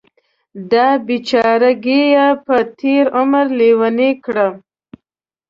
دا بیچارګۍ یې په تېر عمر لیونۍ کړه.